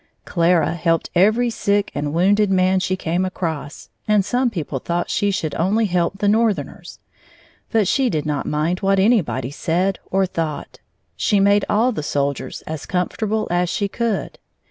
Clara helped every sick and wounded man she came across, and some people thought she should only help the northerners. But she did not mind what anybody said or thought. She made all the soldiers as comfortable as she could.